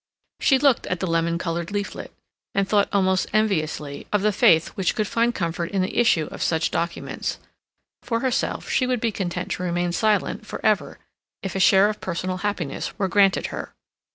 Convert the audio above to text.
She looked at the lemon colored leaflet, and thought almost enviously of the faith which could find comfort in the issue of such documents; for herself she would be content to remain silent for ever if a share of personal happiness were granted her.